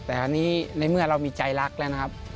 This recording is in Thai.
แต่อันนี้ในเมื่อเรามีใจรักแล้วนะครับ